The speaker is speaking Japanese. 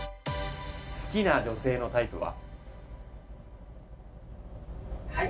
好きな女性のタイプは。